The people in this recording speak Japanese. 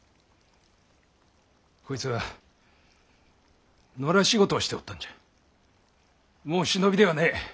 こいつは野良仕事をしておったんじゃもう忍びではねえ。